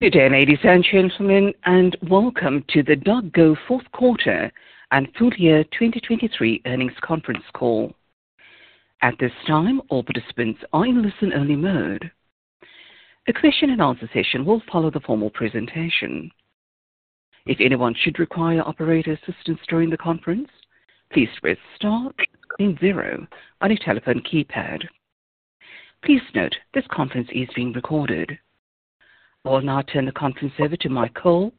Good day, ladies and gentlemen, and welcome to the DocGo fourth quarter and full year 2023 earnings conference call. At this time, all participants are in listen-only mode. A question-and-answer session will follow the formal presentation. If anyone should require operator assistance during the conference, please press star, then zero on your telephone keypad. Please note this conference is being recorded. I will now turn the conference over to Mike Cole,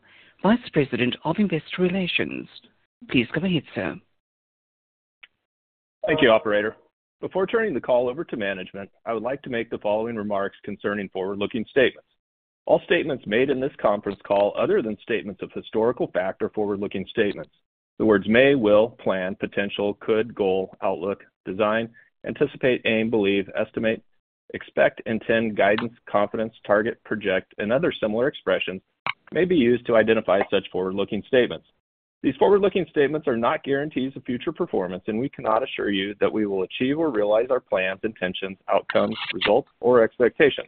Vice President of Investor Relations. Please go ahead, sir. Thank you, Operator. Before turning the call over to management, I would like to make the following remarks concerning forward-looking statements. All statements made in this conference call, other than statements of historical fact, are forward-looking statements. The words may, will, plan, potential, could, goal, outlook, design, anticipate, aim, believe, estimate, expect, intend, guidance, confidence, target, project, and other similar expressions may be used to identify such forward-looking statements. These forward-looking statements are not guarantees of future performance, and we cannot assure you that we will achieve or realize our plans, intentions, outcomes, results, or expectations.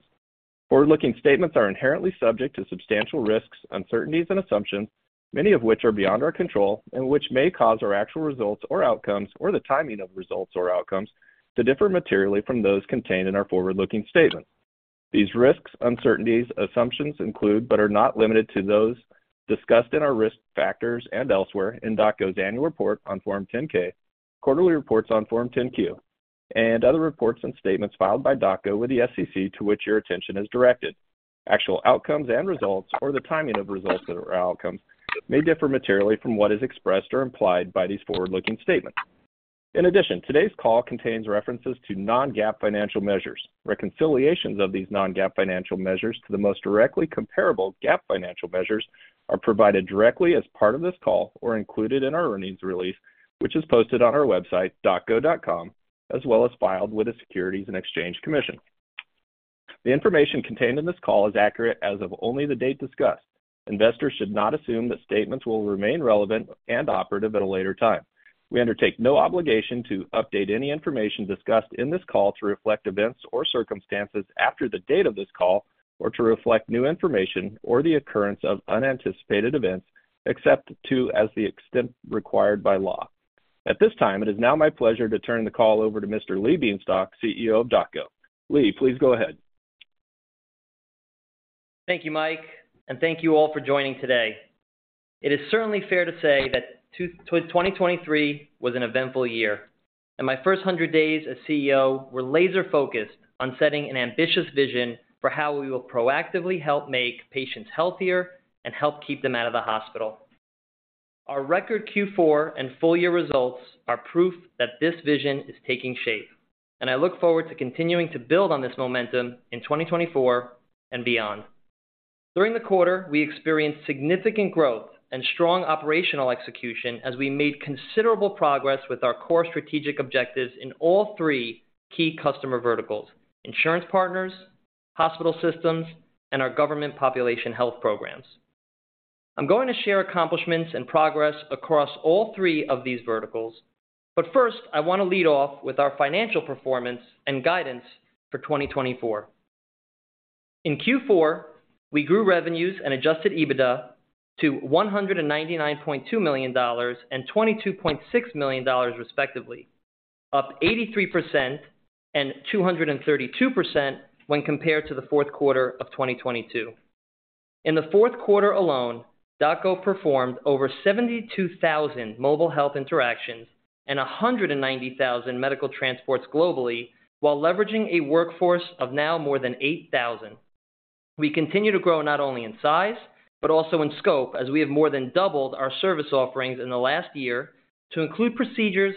Forward-looking statements are inherently subject to substantial risks, uncertainties, and assumptions, many of which are beyond our control and which may cause our actual results or outcomes or the timing of results or outcomes to differ materially from those contained in our forward-looking statements. These risks, uncertainties, assumptions include, but are not limited to, those discussed in our risk factors and elsewhere in DocGo's annual report on Form 10-K, quarterly reports on Form 10-Q, and other reports and statements filed by DocGo with the SEC to which your attention is directed. Actual outcomes and results, or the timing of results or outcomes, may differ materially from what is expressed or implied by these forward-looking statements. In addition, today's call contains references to non-GAAP financial measures. Reconciliations of these non-GAAP financial measures to the most directly comparable GAAP financial measures are provided directly as part of this call or included in our earnings release, which is posted on our website, docgo.com, as well as filed with the Securities and Exchange Commission. The information contained in this call is accurate as of only the date discussed. Investors should not assume that statements will remain relevant and operative at a later time. We undertake no obligation to update any information discussed in this call to reflect events or circumstances after the date of this call or to reflect new information or the occurrence of unanticipated events, except to the extent required by law. At this time, it is now my pleasure to turn the call over to Mr. Lee Bienstock, CEO of DocGo. Lee, please go ahead. Thank you, Mike, and thank you all for joining today. It is certainly fair to say that 2023 was an eventful year, and my first 100 days as CEO were laser-focused on setting an ambitious vision for how we will proactively help make patients healthier and help keep them out of the hospital. Our record Q4 and full year results are proof that this vision is taking shape, and I look forward to continuing to build on this momentum in 2024 and beyond. During the quarter, we experienced significant growth and strong operational execution as we made considerable progress with our core strategic objectives in all three key customer verticals: insurance partners, hospital systems, and our government population health programs. I'm going to share accomplishments and progress across all three of these verticals, but first I want to lead off with our financial performance and guidance for 2024. In Q4, we grew revenues and Adjusted EBITDA to $199.2 million and $22.6 million, respectively, up 83% and 232% when compared to the fourth quarter of 2022. In the fourth quarter alone, DocGo performed over 72,000 mobile health interactions and 190,000 medical transports globally while leveraging a workforce of now more than 8,000. We continue to grow not only in size but also in scope as we have more than doubled our service offerings in the last year to include procedures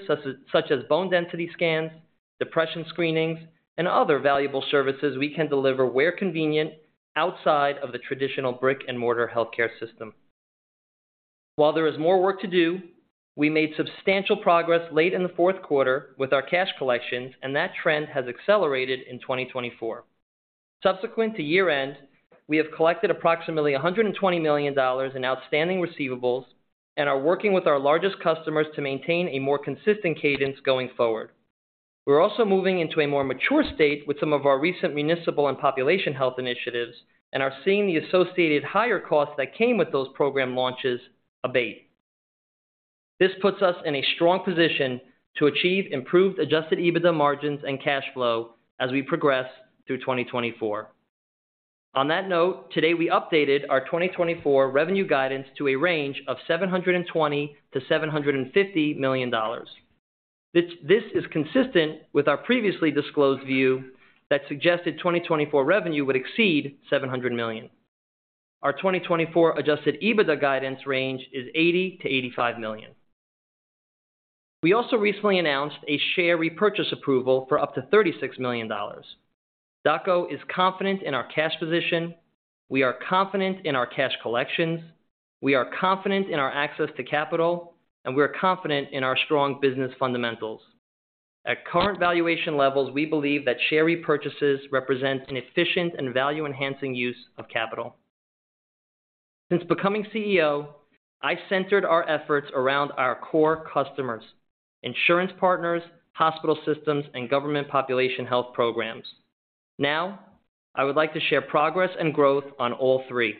such as bone density scans, depression screenings, and other valuable services we can deliver where convenient, outside of the traditional brick-and-mortar healthcare system. While there is more work to do, we made substantial progress late in the fourth quarter with our cash collections, and that trend has accelerated in 2024. Subsequent to year-end, we have collected approximately $120 million in outstanding receivables and are working with our largest customers to maintain a more consistent cadence going forward. We're also moving into a more mature state with some of our recent municipal and population health initiatives and are seeing the associated higher costs that came with those program launches abate. This puts us in a strong position to achieve improved Adjusted EBITDA margins and cash flow as we progress through 2024. On that note, today we updated our 2024 revenue guidance to a range of $720 million-$750 million. This is consistent with our previously disclosed view that suggested 2024 revenue would exceed $700 million. Our 2024 Adjusted EBITDA guidance range is $80 million-$85 million. We also recently announced a share repurchase approval for up to $36 million. DocGo is confident in our cash position. We are confident in our cash collections. We are confident in our access to capital, and we're confident in our strong business fundamentals. At current valuation levels, we believe that share repurchases represent an efficient and value-enhancing use of capital. Since becoming CEO, I centered our efforts around our core customers: insurance partners, hospital systems, and government population health programs. Now, I would like to share progress and growth on all three.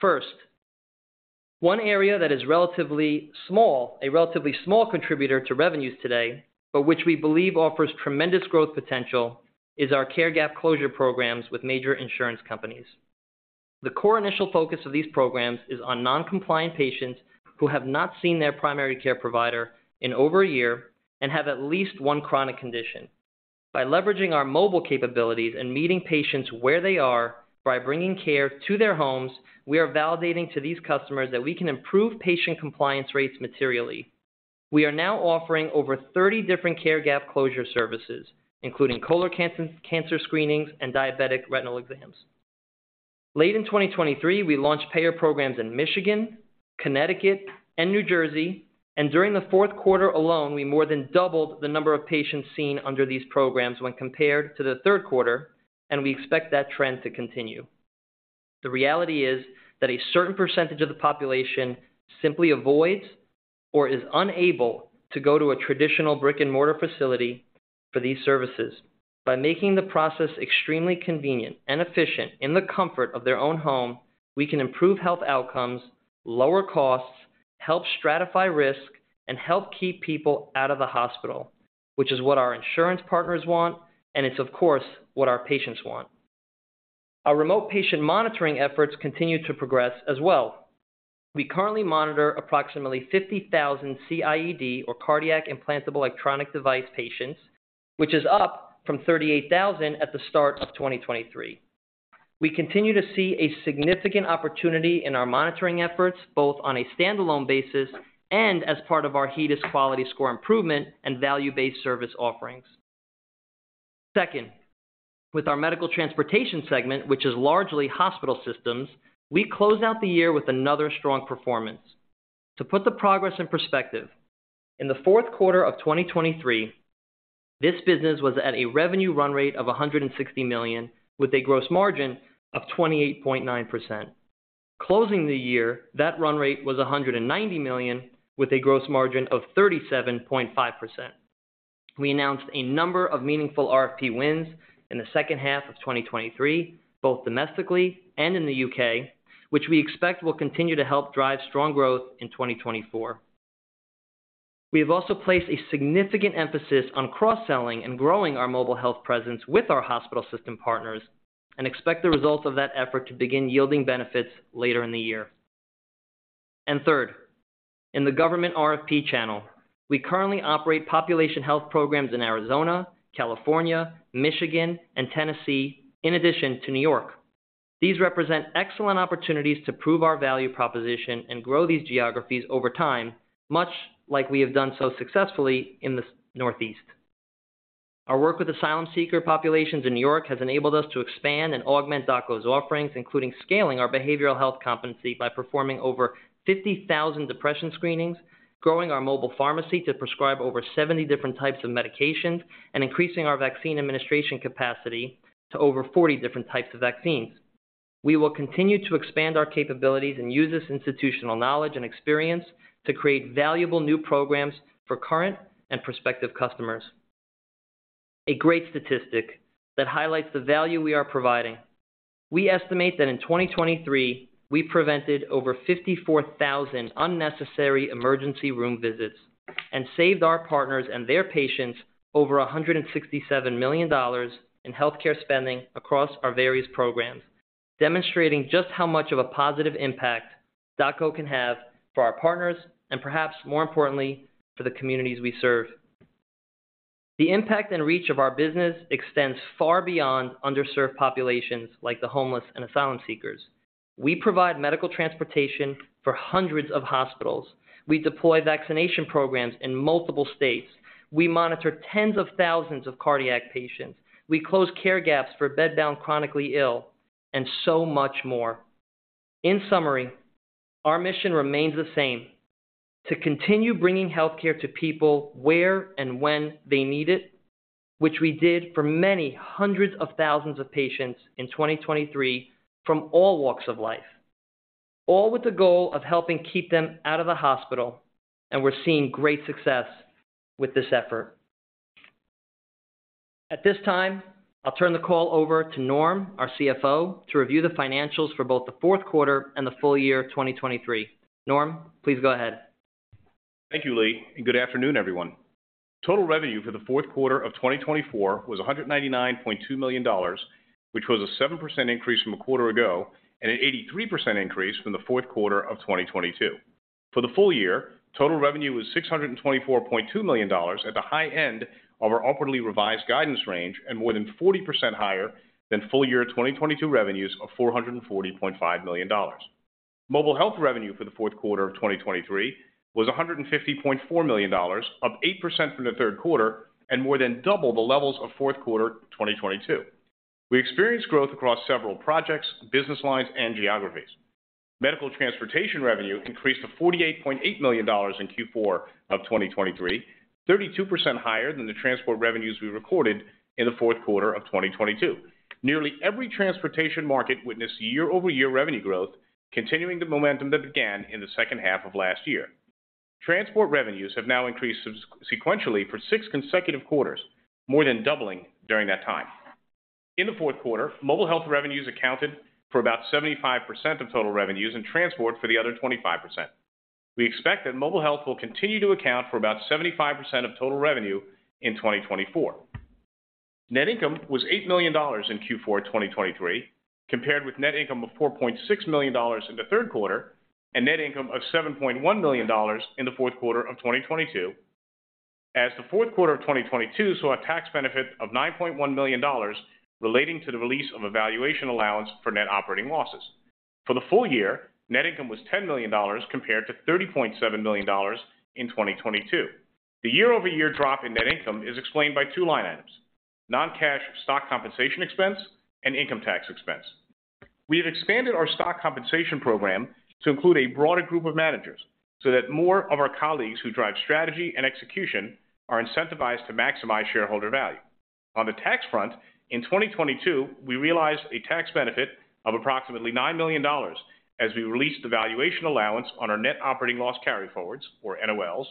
First, one area that is relatively small, a relatively small contributor to revenues today, but which we believe offers tremendous growth potential, is our Care Gap Closure Programs with major insurance companies. The core initial focus of these programs is on non-compliant patients who have not seen their primary care provider in over a year and have at least one chronic condition. By leveraging our mobile capabilities and meeting patients where they are by bringing care to their homes, we are validating to these customers that we can improve patient compliance rates materially. We are now offering over 30 different care gap closure services, including colorectal cancer screenings and diabetic retinal exams. Late in 2023, we launched payer programs in Michigan, Connecticut, and New Jersey, and during the fourth quarter alone, we more than doubled the number of patients seen under these programs when compared to the third quarter, and we expect that trend to continue. The reality is that a certain percentage of the population simply avoids or is unable to go to a traditional brick-and-mortar facility for these services. By making the process extremely convenient and efficient in the comfort of their own home, we can improve health outcomes, lower costs, help stratify risk, and help keep people out of the hospital, which is what our insurance partners want, and it's, of course, what our patients want. Our remote patient monitoring efforts continue to progress as well. We currently monitor approximately 50,000 CIED, or cardiac implantable electronic device, patients, which is up from 38,000 at the start of 2023. We continue to see a significant opportunity in our monitoring efforts, both on a standalone basis and as part of our HEDIS quality score improvement and value-based service offerings. Second, with our medical transportation segment, which is largely hospital systems, we closed out the year with another strong performance. To put the progress in perspective, in the fourth quarter of 2023, this business was at a revenue run rate of $160 million with a gross margin of 28.9%. Closing the year, that run rate was $190 million with a gross margin of 37.5%. We announced a number of meaningful RFP wins in the second half of 2023, both domestically and in the U.K., which we expect will continue to help drive strong growth in 2024. We have also placed a significant emphasis on cross-selling and growing our mobile health presence with our hospital system partners and expect the results of that effort to begin yielding benefits later in the year. And third, in the government RFP channel, we currently operate population health programs in Arizona, California, Michigan, and Tennessee, in addition to New York. These represent excellent opportunities to prove our value proposition and grow these geographies over time, much like we have done so successfully in the Northeast. Our work with asylum seeker populations in New York has enabled us to expand and augment DocGo's offerings, including scaling our behavioral health competency by performing over 50,000 depression screenings, growing our mobile pharmacy to prescribe over 70 different types of medications, and increasing our vaccine administration capacity to over 40 different types of vaccines. We will continue to expand our capabilities and use this institutional knowledge and experience to create valuable new programs for current and prospective customers. A great statistic that highlights the value we are providing: we estimate that in 2023, we prevented over 54,000 unnecessary emergency room visits and saved our partners and their patients over $167 million in healthcare spending across our various programs, demonstrating just how much of a positive impact DocGo can have for our partners and, perhaps more importantly, for the communities we serve. The impact and reach of our business extends far beyond underserved populations like the homeless and asylum seekers. We provide medical transportation for hundreds of hospitals. We deploy vaccination programs in multiple states. We monitor tens of thousands of cardiac patients. We close care gaps for bedbound chronically ill, and so much more. In summary, our mission remains the same: to continue bringing healthcare to people where and when they need it, which we did for many hundreds of thousands of patients in 2023 from all walks of life, all with the goal of helping keep them out of the hospital, and we're seeing great success with this effort. At this time, I'll turn the call over to Norm, our CFO, to review the financials for both the fourth quarter and the full year 2023. Norm, please go ahead. Thank you, Lee, and good afternoon, everyone. Total revenue for the fourth quarter of 2024 was $199.2 million, which was a 7% increase from a quarter ago and an 83% increase from the fourth quarter of 2022. For the full year, total revenue was $624.2 million at the high end of our originally revised guidance range and more than 40% higher than full year 2022 revenues of $440.5 million. Mobile Health revenue for the fourth quarter of 2023 was $150.4 million, up 8% from the third quarter and more than double the levels of fourth quarter 2022. We experienced growth across several projects, business lines, and geographies. Medical Transportation revenue increased to $48.8 million in Q4 of 2023, 32% higher than the transport revenues we recorded in the fourth quarter of 2022. Nearly every transportation market witnessed year-over-year revenue growth, continuing the momentum that began in the second half of last year. Transport revenues have now increased sequentially for six consecutive quarters, more than doubling during that time. In the fourth quarter, mobile health revenues accounted for about 75% of total revenues and transport for the other 25%. We expect that mobile health will continue to account for about 75% of total revenue in 2024. Net income was $8 million in Q4 of 2023, compared with net income of $4.6 million in the third quarter and net income of $7.1 million in the fourth quarter of 2022, as the fourth quarter of 2022 saw a tax benefit of $9.1 million relating to the release of a valuation allowance for net operating losses. For the full year, net income was $10 million, compared to $30.7 million in 2022. The year-over-year drop in net income is explained by two line items: non-cash stock compensation expense and income tax expense. We have expanded our stock compensation program to include a broader group of managers so that more of our colleagues who drive strategy and execution are incentivized to maximize shareholder value. On the tax front, in 2022, we realized a tax benefit of approximately $9 million as we released the valuation allowance on our net operating loss carryforwards, or NOLs,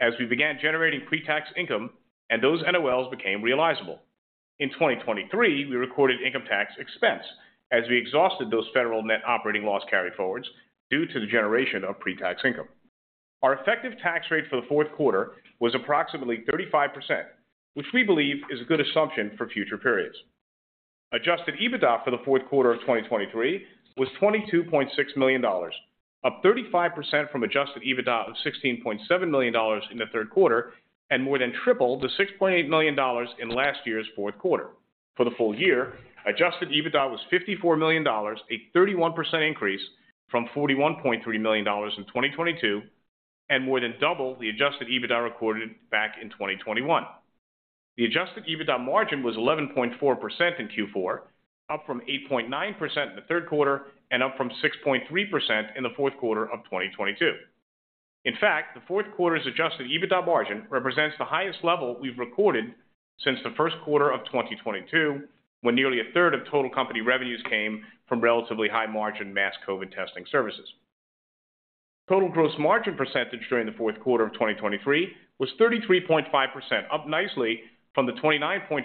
as we began generating pretax income and those NOLs became realizable. In 2023, we recorded income tax expense as we exhausted those federal net operating loss carryforwards due to the generation of pretax income. Our effective tax rate for the fourth quarter was approximately 35%, which we believe is a good assumption for future periods. Adjusted EBITDA for the fourth quarter of 2023 was $22.6 million, up 35% from Adjusted EBITDA of $16.7 million in the third quarter and more than tripled the $6.8 million in last year's fourth quarter. For the full year, Adjusted EBITDA was $54 million, a 31% increase from $41.3 million in 2022 and more than double the Adjusted EBITDA recorded back in 2021. The Adjusted EBITDA margin was 11.4% in Q4, up from 8.9% in the third quarter and up from 6.3% in the fourth quarter of 2022. In fact, the fourth quarter's Adjusted EBITDA margin represents the highest level we've recorded since the first quarter of 2022, when nearly a third of total company revenues came from relatively high-margin mass COVID testing services. Total gross margin percentage during the fourth quarter of 2023 was 33.5%, up nicely from the 29.5%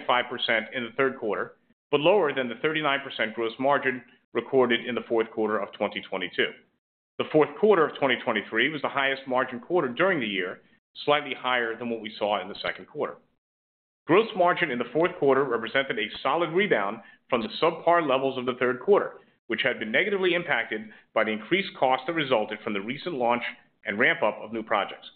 in the third quarter but lower than the 39% gross margin recorded in the fourth quarter of 2022. The fourth quarter of 2023 was the highest margin quarter during the year, slightly higher than what we saw in the second quarter. Gross margin in the fourth quarter represented a solid rebound from the subpar levels of the third quarter, which had been negatively impacted by the increased cost that resulted from the recent launch and ramp-up of new projects.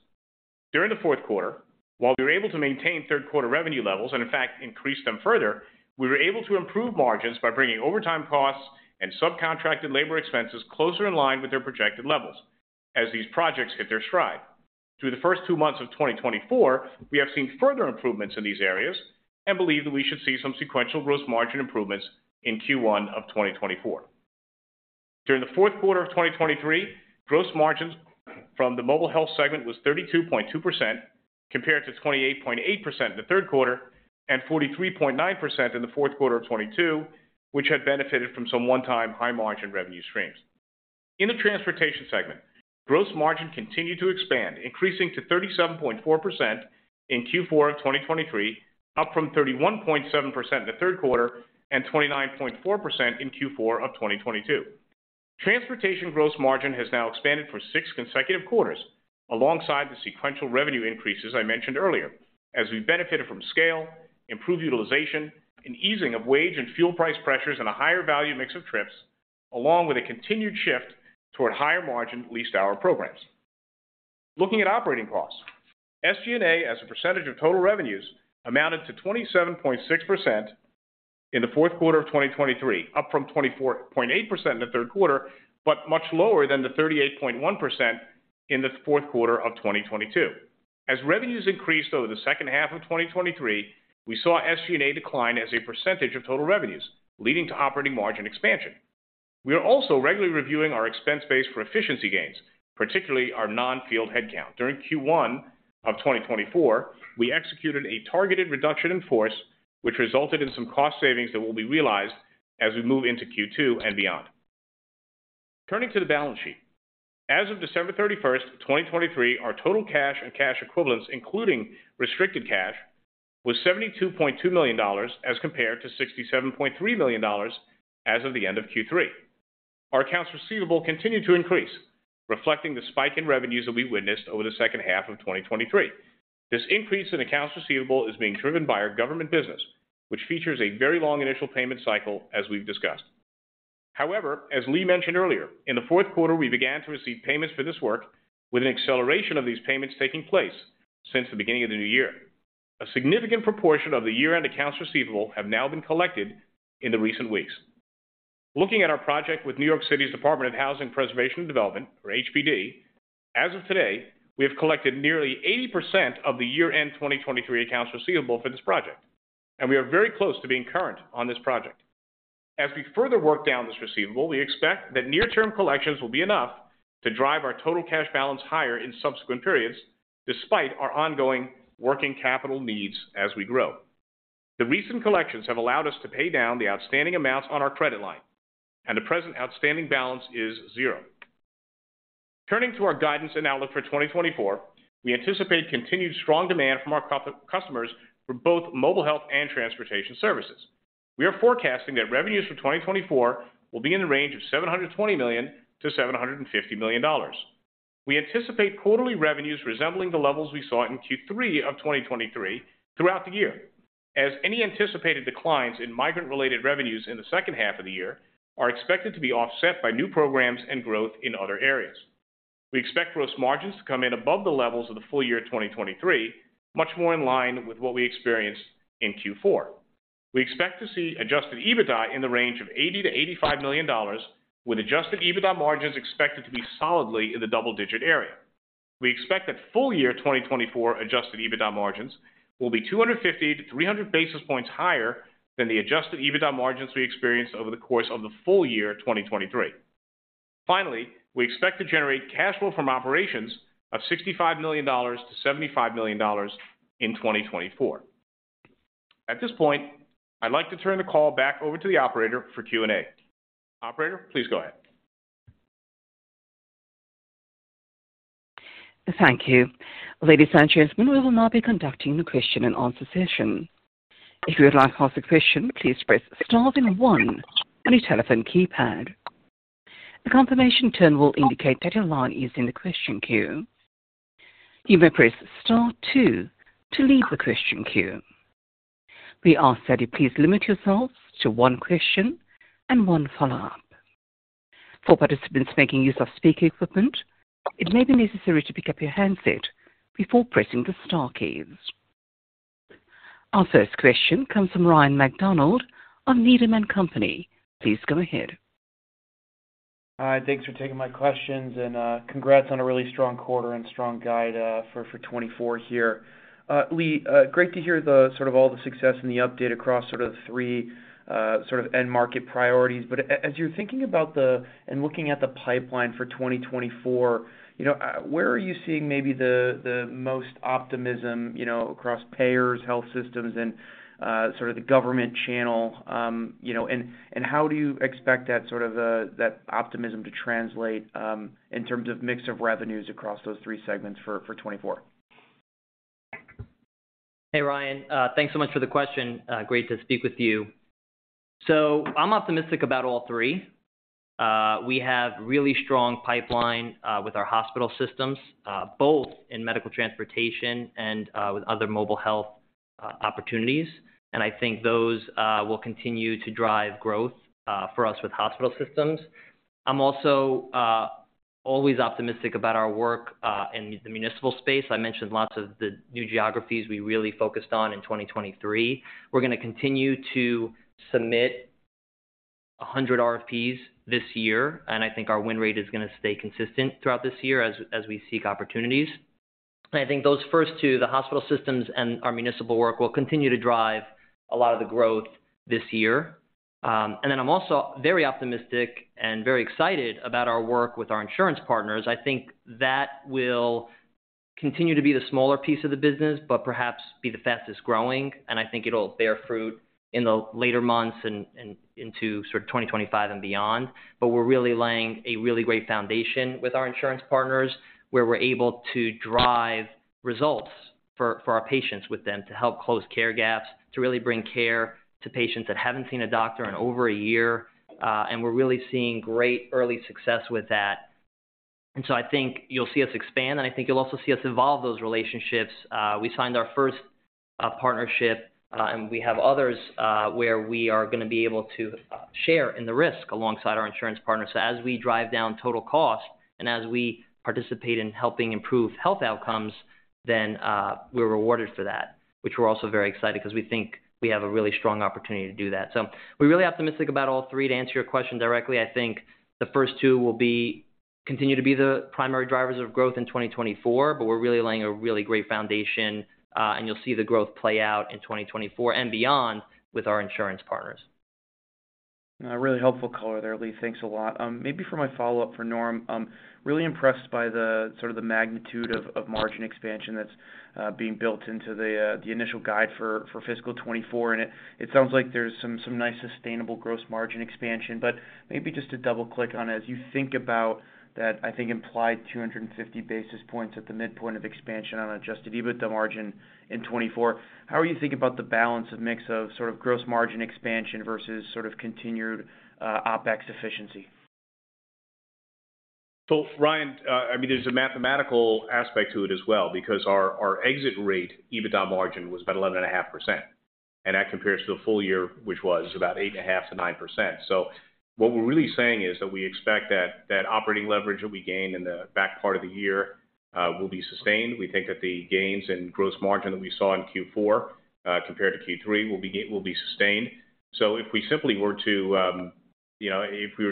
During the fourth quarter, while we were able to maintain third-quarter revenue levels and, in fact, increase them further, we were able to improve margins by bringing overtime costs and subcontracted labor expenses closer in line with their projected levels as these projects hit their stride. Through the first two months of 2024, we have seen further improvements in these areas and believe that we should see some sequential gross margin improvements in Q1 of 2024. During the fourth quarter of 2023, gross margins from the mobile health segment was 32.2%, compared to 28.8% in the third quarter and 43.9% in the fourth quarter of 2022, which had benefited from some one-time high-margin revenue streams. In the transportation segment, gross margin continued to expand, increasing to 37.4% in Q4 of 2023, up from 31.7% in the third quarter and 29.4% in Q4 of 2022. Transportation gross margin has now expanded for six consecutive quarters alongside the sequential revenue increases I mentioned earlier, as we've benefited from scale, improved utilization, an easing of wage and fuel price pressures and a higher-value mix of trips, along with a continued shift toward higher-margin leased-hour programs. Looking at operating costs, SG&A, as a percentage of total revenues, amounted to 27.6% in the fourth quarter of 2023, up from 24.8% in the third quarter but much lower than the 38.1% in the fourth quarter of 2022. As revenues increased over the second half of 2023, we saw SG&A decline as a percentage of total revenues, leading to operating margin expansion. We are also regularly reviewing our expense base for efficiency gains, particularly our non-field headcount. During Q1 of 2024, we executed a targeted reduction in force, which resulted in some cost savings that will be realized as we move into Q2 and beyond. Turning to the balance sheet, as of December 31st, 2023, our total cash and cash equivalents, including restricted cash, was $72.2 million as compared to $67.3 million as of the end of Q3. Our accounts receivable continued to increase, reflecting the spike in revenues that we witnessed over the second half of 2023. This increase in accounts receivable is being driven by our government business, which features a very long initial payment cycle, as we've discussed. However, as Lee mentioned earlier, in the fourth quarter, we began to receive payments for this work, with an acceleration of these payments taking place since the beginning of the new year. A significant proportion of the year-end accounts receivable have now been collected in the recent weeks. Looking at our project with New York City's Department of Housing Preservation and Development, or HPD, as of today, we have collected nearly 80% of the year-end 2023 accounts receivable for this project, and we are very close to being current on this project. As we further work down this receivable, we expect that near-term collections will be enough to drive our total cash balance higher in subsequent periods, despite our ongoing working capital needs as we grow. The recent collections have allowed us to pay down the outstanding amounts on our credit line, and the present outstanding balance is zero. Turning to our guidance and outlook for 2024, we anticipate continued strong demand from our customers for both mobile health and transportation services. We are forecasting that revenues for 2024 will be in the range of $720 million-$750 million. We anticipate quarterly revenues resembling the levels we saw in Q3 of 2023 throughout the year, as any anticipated declines in migrant-related revenues in the second half of the year are expected to be offset by new programs and growth in other areas. We expect gross margins to come in above the levels of the full year 2023, much more in line with what we experienced in Q4. We expect to see Adjusted EBITDA in the range of $80 million-$85 million, with Adjusted EBITDA margins expected to be solidly in the double-digit area. We expect that full year 2024 Adjusted EBITDA margins will be 250-300 basis points higher than the Adjusted EBITDA margins we experienced over the course of the full year 2023. Finally, we expect to generate cash flow from operations of $65 million-$75 million in 2024. At this point, I'd like to turn the call back over to the operator for Q&A. Operator, please go ahead. Thank you. Ladies and gentlemen, we will now be conducting the question-and-answer session. If you would like to ask a question, please press *one on your telephone keypad. The confirmation tone will indicate that your line is in the question queue. You may press *two to leave the question queue. We ask that you please limit yourselves to one question and one follow-up. For participants making use of speaker equipment, it may be necessary to pick up your handset before pressing the * keys. Our first question comes from Ryan MacDonald of Needham & Company. Please go ahead. Hi. Thanks for taking my questions, and congrats on a really strong quarter and strong guide for 2024 here. Lee, great to hear sort of all the success and the update across sort of three sort of end-market priorities. But as you're thinking about looking at the pipeline for 2024, where are you seeing maybe the most optimism across payers, health systems, and sort of the government channel? And how do you expect that sort of optimism to translate in terms of mix of revenues across those three segments for 2024? Hey, Ryan. Thanks so much for the question. Great to speak with you. So I'm optimistic about all three. We have really strong pipeline with our hospital systems, both in medical transportation and with other mobile health opportunities, and I think those will continue to drive growth for us with hospital systems. I'm also always optimistic about our work in the municipal space. I mentioned lots of the new geographies we really focused on in 2023. We're going to continue to submit 100 RFPs this year, and I think our win rate is going to stay consistent throughout this year as we seek opportunities. And I think those first two, the hospital systems and our municipal work, will continue to drive a lot of the growth this year. And then I'm also very optimistic and very excited about our work with our insurance partners. I think that will continue to be the smaller piece of the business but perhaps be the fastest growing, and I think it'll bear fruit in the later months and into sort of 2025 and beyond. But we're really laying a really great foundation with our insurance partners where we're able to drive results for our patients with them to help close care gaps, to really bring care to patients that haven't seen a doctor in over a year. And we're really seeing great early success with that. And so I think you'll see us expand, and I think you'll also see us evolve those relationships. We signed our first partnership, and we have others where we are going to be able to share in the risk alongside our insurance partners. So as we drive down total cost and as we participate in helping improve health outcomes, then we're rewarded for that, which we're also very excited because we think we have a really strong opportunity to do that. So we're really optimistic about all three. To answer your question directly, I think the first two will continue to be the primary drivers of growth in 2024, but we're really laying a really great foundation, and you'll see the growth play out in 2024 and beyond with our insurance partners. Really helpful color there, Lee. Thanks a lot. Maybe for my follow-up for Norm, really impressed by sort of the magnitude of margin expansion that's being built into the initial guide for fiscal 2024. It sounds like there's some nice sustainable gross margin expansion. But maybe just to double-click on it, as you think about that, I think, implied 250 basis points at the midpoint of expansion on an Adjusted EBITDA margin in 2024, how are you thinking about the balance of mix of sort of gross margin expansion versus sort of continued OpEx efficiency? So, Ryan, I mean, there's a mathematical aspect to it as well because our exit rate EBITDA margin was about 11.5%, and that compares to the full year, which was about 8.5%-9%. So what we're really saying is that we expect that operating leverage that we gained in the back part of the year will be sustained. We think that the gains in gross margin that we saw in Q4 compared to Q3 will be sustained. So if we were to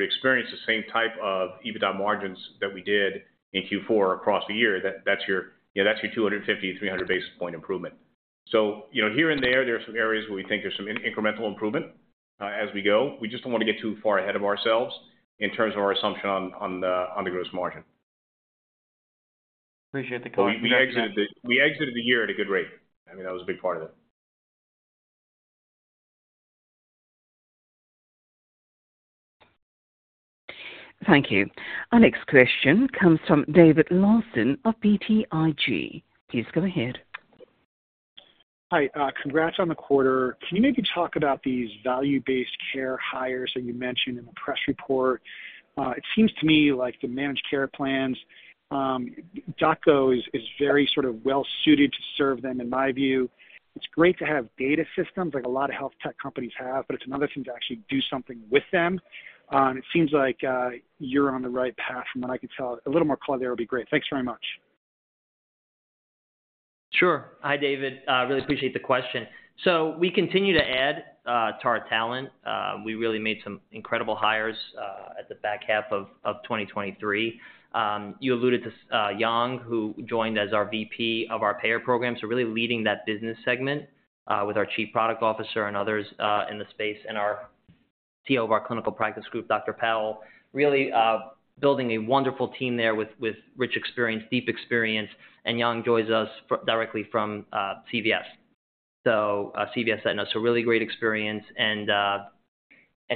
experience the same type of EBITDA margins that we did in Q4 across the year, that's your 250-300 basis point improvement. So here and there, there are some areas where we think there's some incremental improvement as we go. We just don't want to get too far ahead of ourselves in terms of our assumption on the gross margin. Appreciate the call. We exited the year at a good rate. I mean, that was a big part of it. Thank you. Our next question comes from David Larsen of BTIG. Please go ahead. Hi. Congrats on the quarter. Can you maybe talk about these value-based care hires that you mentioned in the press report? It seems to me like the managed care plans, DocGo is very sort of well-suited to serve them, in my view. It's great to have data systems like a lot of health tech companies have, but it's another thing to actually do something with them. It seems like you're on the right path. From what I can tell, a little more clarity there would be great. Thanks very much. Sure. Hi, David. Really appreciate the question. So we continue to add to our talent. We really made some incredible hires at the back half of 2023. You alluded to Yong, who joined as our VP of our payer program, so really leading that business segment with our Chief Product Officer and others in the space and our CEO of our clinical practice group, Dr. Powell, really building a wonderful team there with rich experience, deep experience. And Yong joins us directly from CVS. So CVS sent us a really great experience, and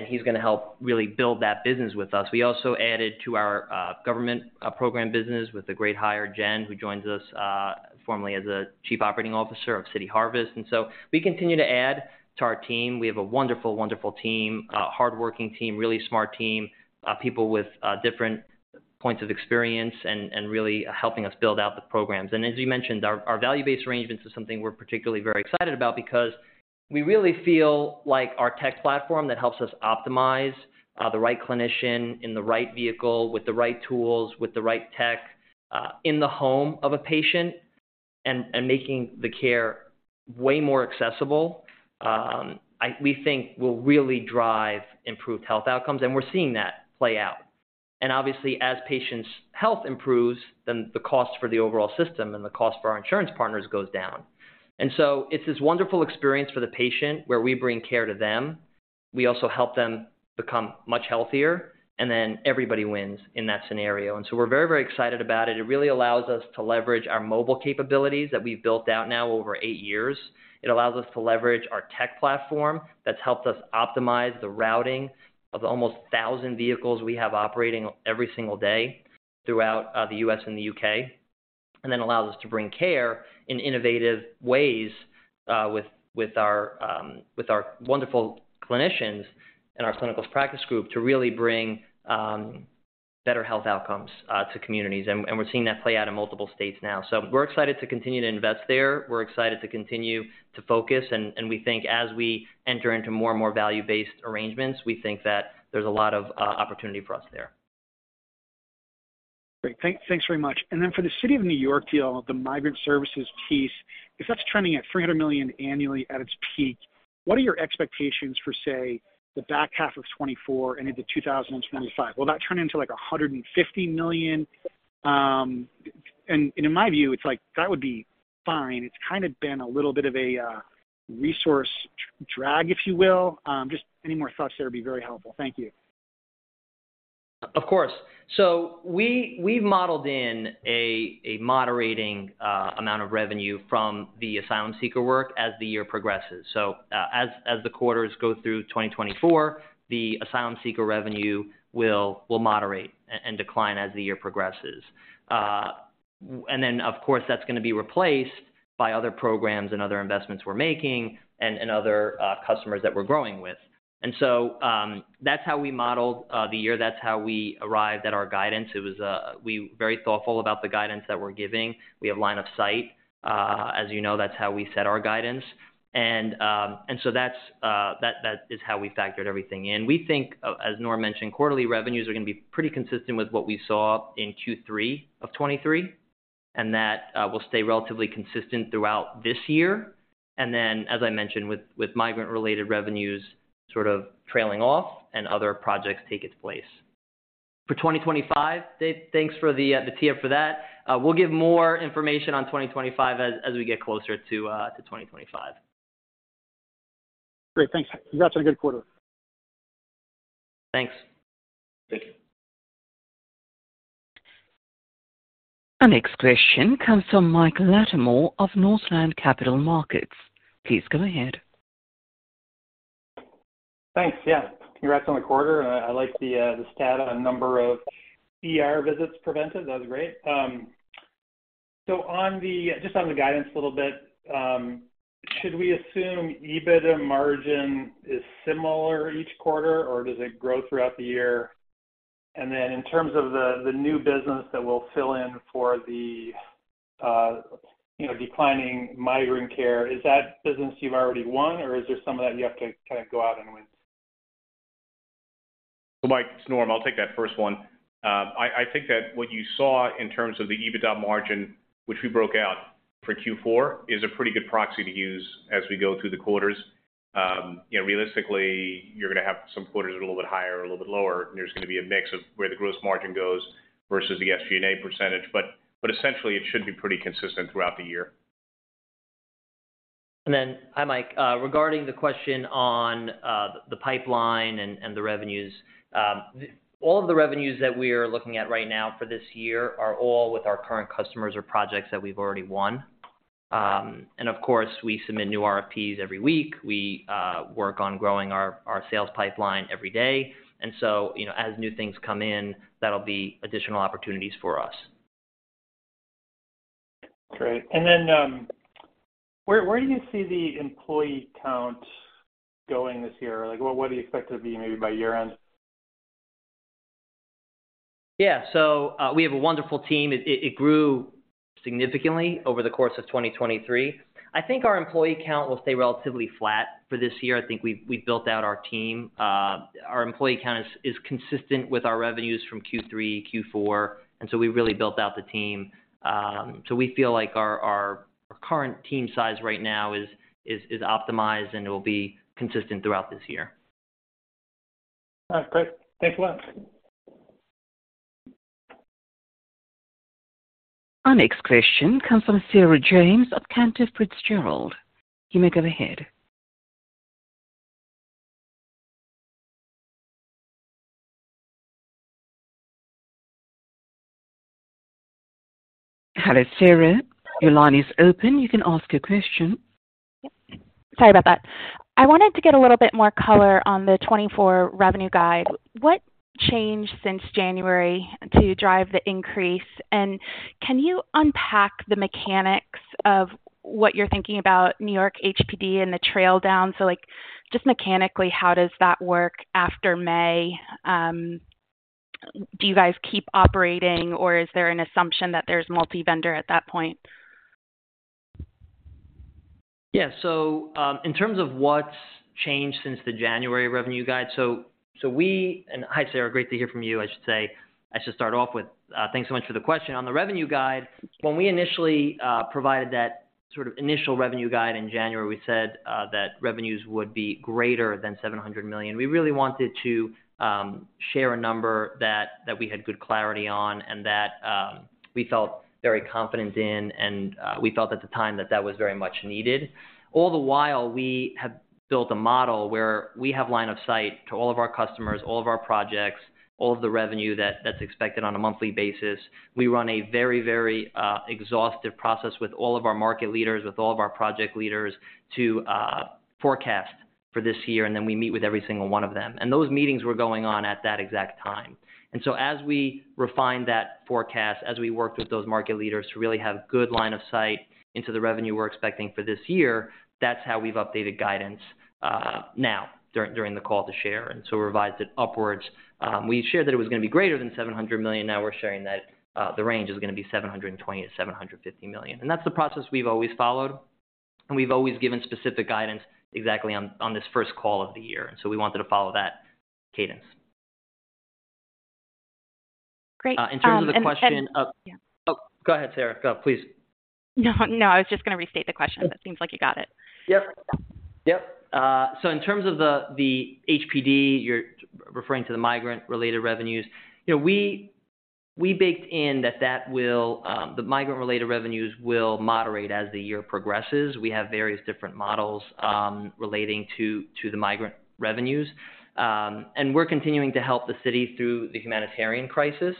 he's going to help really build that business with us. We also added to our government program business with a great hire, Jen, who joins us formally as a Chief Operating Officer of City Harvest. And so we continue to add to our team. We have a wonderful, wonderful team, hardworking team, really smart team, people with different points of experience, and really helping us build out the programs. And as you mentioned, our value-based arrangements are something we're particularly very excited about because we really feel like our tech platform that helps us optimize the right clinician in the right vehicle with the right tools with the right tech in the home of a patient and making the care way more accessible, we think, will really drive improved health outcomes. And we're seeing that play out. And obviously, as patients' health improves, then the cost for the overall system and the cost for our insurance partners goes down. And so it's this wonderful experience for the patient where we bring care to them. We also help them become much healthier, and then everybody wins in that scenario. So we're very, very excited about it. It really allows us to leverage our mobile capabilities that we've built out now over eight years. It allows us to leverage our tech platform that's helped us optimize the routing of the almost 1,000 vehicles we have operating every single day throughout the U.S. and the U.K., and then allows us to bring care in innovative ways with our wonderful clinicians and our Clinical Practice Group to really bring better health outcomes to communities. And we're seeing that play out in multiple states now. So we're excited to continue to invest there. We're excited to continue to focus. And we think as we enter into more and more value-based arrangements, we think that there's a lot of opportunity for us there. Great. Thanks very much. And then for the City of New York deal, the migrant services piece, if that's trending at $300 million annually at its peak, what are your expectations for, say, the back half of 2024 and into 2025? Will that turn into like $150 million? And in my view, it's like that would be fine. It's kind of been a little bit of a resource drag, if you will. Just any more thoughts there would be very helpful. Thank you. Of course. So we've modeled in a moderating amount of revenue from the asylum seeker work as the year progresses. So as the quarters go through 2024, the asylum seeker revenue will moderate and decline as the year progresses. And then, of course, that's going to be replaced by other programs and other investments we're making and other customers that we're growing with. And so that's how we modeled the year. That's how we arrived at our guidance. We were very thoughtful about the guidance that we're giving. We have line of sight. As you know, that's how we set our guidance. And so that is how we factored everything in. We think, as Norm mentioned, quarterly revenues are going to be pretty consistent with what we saw in Q3 of 2023 and that will stay relatively consistent throughout this year. And then, as I mentioned, with migrant-related revenues sort of trailing off and other projects take its place. For 2025, thanks for the tee-up for that. We'll give more information on 2025 as we get closer to 2025. Great. Thanks. Congrats on a good quarter. Thanks. Thank you. Our next question comes from Mike Latimore of Northland Capital Markets. Please go ahead. Thanks. Yeah. Congrats on the quarter. I like the stat on number of visits prevented. That was great. Just on the guidance a little bit, should we assume EBITDA margin is similar each quarter, or does it grow throughout the year? Then in terms of the new business that will fill in for the declining migrant care, is that business you've already won, or is there some of that you have to kind of go out and win? Well, Mike, it's Norm. I'll take that first one. I think that what you saw in terms of the EBITDA margin, which we broke out for Q4, is a pretty good proxy to use as we go through the quarters. Realistically, you're going to have some quarters that are a little bit higher or a little bit lower, and there's going to be a mix of where the gross margin goes versus the SG&A percentage. But essentially, it should be pretty consistent throughout the year. Hi, Mike. Regarding the question on the pipeline and the revenues, all of the revenues that we are looking at right now for this year are all with our current customers or projects that we've already won. Of course, we submit new RFPs every week. We work on growing our sales pipeline every day. So as new things come in, that'll be additional opportunities for us. Great. And then where do you see the employee count going this year? What do you expect it to be maybe by year-end? Yeah. So we have a wonderful team. It grew significantly over the course of 2023. I think our employee count will stay relatively flat for this year. I think we've built out our team. Our employee count is consistent with our revenues from Q3, Q4, and so we've really built out the team. So we feel like our current team size right now is optimized, and it will be consistent throughout this year. All right. Great. Thanks a lot. Our next question comes from Sarah James of Cantor Fitzgerald. You may go ahead. Hello, Sarah. Your line is open. You can ask your question. Yep. Sorry about that. I wanted to get a little bit more color on the 2024 revenue guide. What changed since January to drive the increase? And can you unpack the mechanics of what you're thinking about New York HPD and the trail down? So just mechanically, how does that work after May? Do you guys keep operating, or is there an assumption that there's multi-vendor at that point? Yeah. So in terms of what's changed since the January revenue guide, so we and hi, Sarah. Great to hear from you, I should say. I should start off with thanks so much for the question. On the revenue guide, when we initially provided that sort of initial revenue guide in January, we said that revenues would be greater than $700 million. We really wanted to share a number that we had good clarity on and that we felt very confident in, and we felt at the time that that was very much needed. All the while, we have built a model where we have line of sight to all of our customers, all of our projects, all of the revenue that's expected on a monthly basis. We run a very, very exhaustive process with all of our market leaders, with all of our project leaders to forecast for this year, and then we meet with every single one of them. Those meetings were going on at that exact time. So as we refined that forecast, as we worked with those market leaders to really have good line of sight into the revenue we're expecting for this year, that's how we've updated guidance now during the call to share. We revised it upwards. We shared that it was going to be greater than $700 million. Now we're sharing that the range is going to be $720 million-$750 million. That's the process we've always followed. We've always given specific guidance exactly on this first call of the year. We wanted to follow that cadence. Great. And. In terms of the question, oh, go ahead, Sarah. Go ahead, please. No, no. I was just going to restate the question. But it seems like you got it. Yep. Yep. So in terms of the HPD, you're referring to the migrant-related revenues. We baked in that the migrant-related revenues will moderate as the year progresses. We have various different models relating to the migrant revenues. And we're continuing to help the city through the humanitarian crisis.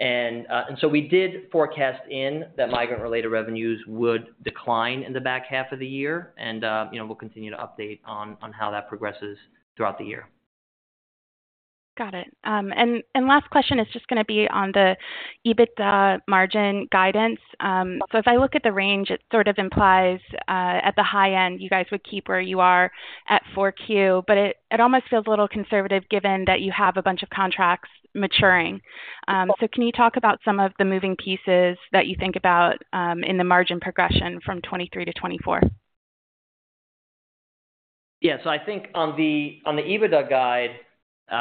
And so we did forecast in that migrant-related revenues would decline in the back half of the year. And we'll continue to update on how that progresses throughout the year. Got it. And last question is just going to be on the EBITDA margin guidance. So if I look at the range, it sort of implies at the high end, you guys would keep where you are at 4Q. But it almost feels a little conservative given that you have a bunch of contracts maturing. So can you talk about some of the moving pieces that you think about in the margin progression from 2023 to 2024? Yeah. So I think on the EBITDA guide,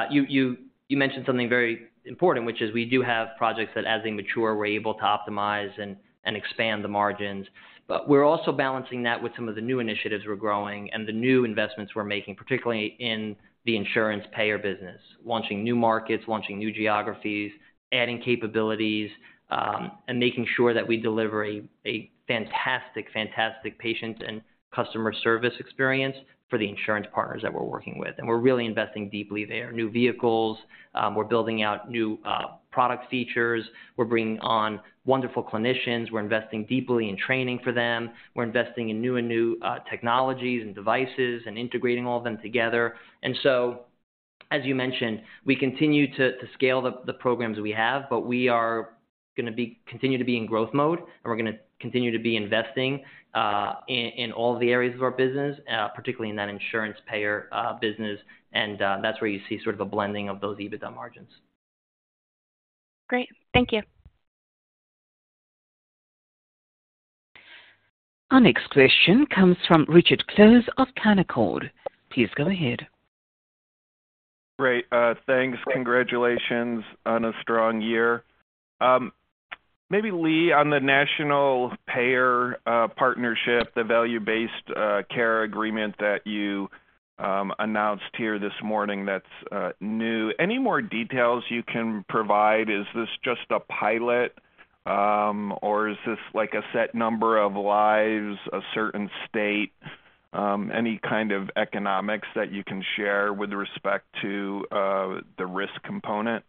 you mentioned something very important, which is we do have projects that, as they mature, we're able to optimize and expand the margins. But we're also balancing that with some of the new initiatives we're growing and the new investments we're making, particularly in the insurance payer business, launching new markets, launching new geographies, adding capabilities, and making sure that we deliver a fantastic, fantastic patient and customer service experience for the insurance partners that we're working with. And we're really investing deeply there. New vehicles. We're building out new product features. We're bringing on wonderful clinicians. We're investing deeply in training for them. We're investing in new and new technologies and devices and integrating all of them together. And so, as you mentioned, we continue to scale the programs we have. We are going to continue to be in growth mode, and we're going to continue to be investing in all of the areas of our business, particularly in that insurance payer business. That's where you see sort of a blending of those EBITDA margins. Great. Thank you. Our next question comes from Richard Close of Canaccord. Please go ahead. Great. Thanks. Congratulations on a strong year. Maybe, Lee, on the national payer partnership, the value-based care agreement that you announced here this morning, that's new. Any more details you can provide? Is this just a pilot, or is this a set number of lives, a certain state, any kind of economics that you can share with respect to the risk component?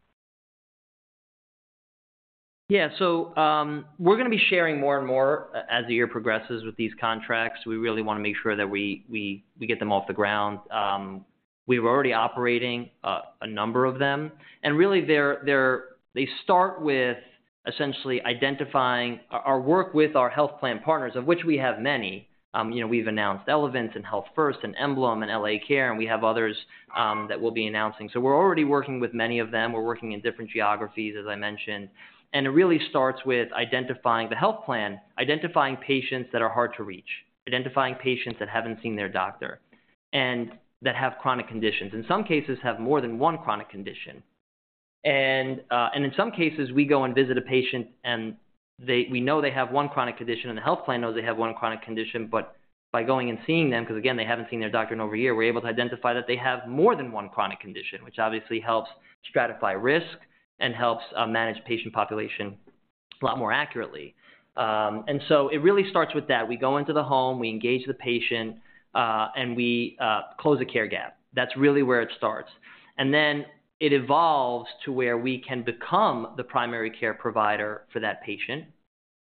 Yeah. So we're going to be sharing more and more as the year progresses with these contracts. We really want to make sure that we get them off the ground. We were already operating a number of them. And really, they start with essentially identifying our work with our health plan partners, of which we have many. We've announced Elevance and Health First and Emblem and LA Care, and we have others that we'll be announcing. So we're already working with many of them. We're working in different geographies, as I mentioned. And it really starts with identifying the health plan, identifying patients that are hard to reach, identifying patients that haven't seen their doctor and that have chronic conditions, in some cases have more than one chronic condition. In some cases, we go and visit a patient, and we know they have one chronic condition, and the health plan knows they have one chronic condition. But by going and seeing them because, again, they haven't seen their doctor in over a year, we're able to identify that they have more than one chronic condition, which obviously helps stratify risk and helps manage patient population a lot more accurately. So it really starts with that. We go into the home. We engage the patient, and we close a care gap. That's really where it starts. Then it evolves to where we can become the primary care provider for that patient.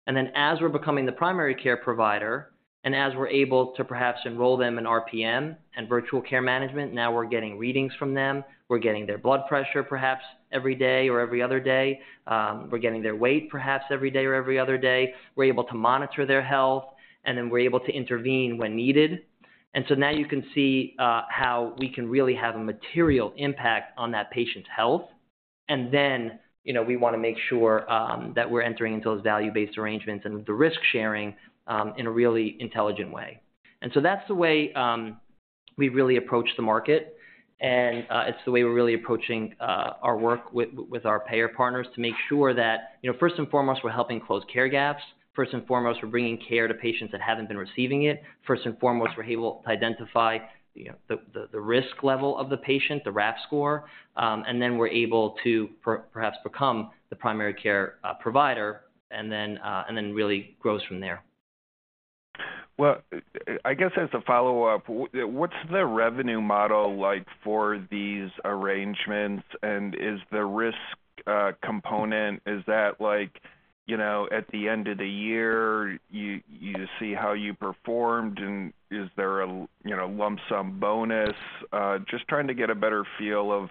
Then as we're becoming the primary care provider and as we're able to perhaps enroll them in RPM and virtual care management, now we're getting readings from them. We're getting their blood pressure perhaps every day or every other day. We're getting their weight perhaps every day or every other day. We're able to monitor their health, and then we're able to intervene when needed. And so now you can see how we can really have a material impact on that patient's health. And then we want to make sure that we're entering into those value-based arrangements and the risk sharing in a really intelligent way. And so that's the way we really approach the market, and it's the way we're really approaching our work with our payer partners to make sure that first and foremost, we're helping close care gaps. First and foremost, we're bringing care to patients that haven't been receiving it. First and foremost, we're able to identify the risk level of the patient, the RAF score. And then we're able to perhaps become the primary care provider and then really grow from there. Well, I guess as a follow-up, what's the revenue model like for these arrangements? And is the risk component is that at the end of the year, you see how you performed, and is there a lump sum bonus? Just trying to get a better feel of